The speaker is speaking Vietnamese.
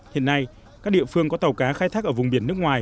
hiện nay các địa phương có tàu cá khai thác ở vùng biển nước ngoài